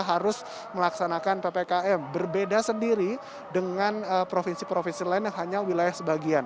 harus melaksanakan ppkm berbeda sendiri dengan provinsi provinsi lain yang hanya wilayah sebagian